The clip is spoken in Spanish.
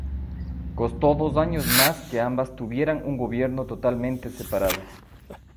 Costó dos años más que ambas tuvieran un gobierno totalmente separado.